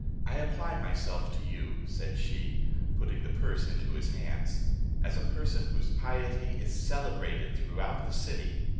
"I apply myself to you," said she, putting the purse into his hands, "as a person whose piety is celebrated throughout the city.